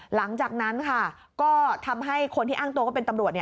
หลังจากนั้นค่ะก็ทำให้คนที่อ้างตัวว่าเป็นตำรวจ